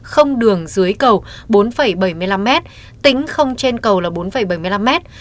không đường dưới cầu bốn bảy mươi năm mét tính không trên cầu là bốn bảy mươi năm mét